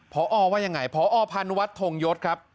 พอว่ายังไงพอพันวัฒนทงยศครับ